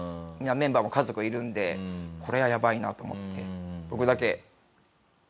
メンバーも家族がいるのでこれはやばいなと思って僕だけ。